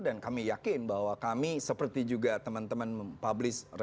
dan kami yakin bahwa kami seperti juga teman teman publis